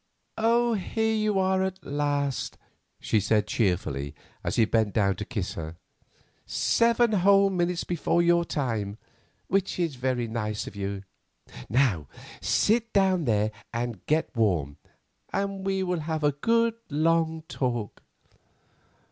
"Here you are at last," she said, cheerfully, as he bent down to kiss her, "seven whole minutes before your time, which is very nice of you. Now, sit down there and get warm, and we will have a good, long talk."